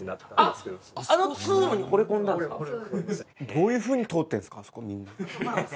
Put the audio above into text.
どういうふうに通ってるんですかあそこみんな。